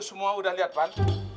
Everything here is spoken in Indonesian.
lu semua udah liat pan